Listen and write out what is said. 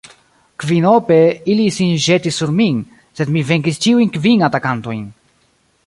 Kvinope ili sin ĵetis sur min, sed mi venkis ĉiujn kvin atakantojn.